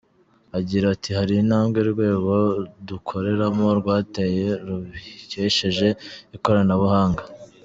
Agira ati “Hari intambwe urwego dukoreramo rwateye rubikesheje ikoranabuhanga.